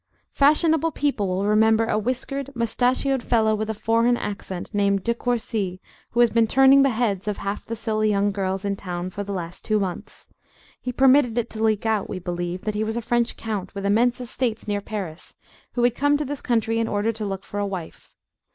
Fashionable people will remember a whiskered, mustachioed fellow with a foreign accent, named De Courci, who has been turning the heads of half the silly young girls in town for the last two months. He permitted it to leak out, we believe, that he was a French count, with immense estates near Paris, who had come to this country in order to look for a wife.